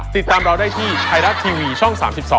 ติดตามเราได้ที่ไทยรัฐทีวีช่อง๓๒